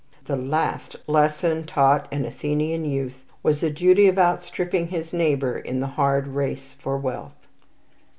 The last lesson taught an Athenian youth was the duty of outstripping his neighbour in the hard race for wealth.